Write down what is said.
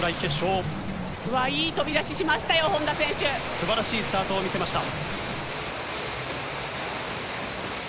すばらしいスタートを見せました。